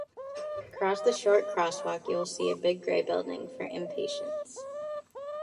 Across the short crosswalk, you will see a big grey building for inpatients.